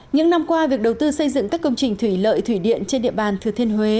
những năm qua việc đầu tư xây dựng các công trình thủy lợi thủy điện trên địa bàn thừa thiên huế